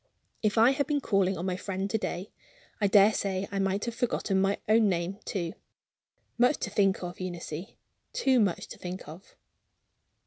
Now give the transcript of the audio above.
If I had been calling on a friend to day, I daresay I might have forgotten my name, too. Much to think of, Eunice too much to think of."